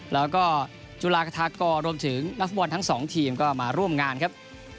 แล้วก็จุฬากระทากรรวมถึงนักฟุตบอลทั้งสองทีมก็มาร่วมงานครับ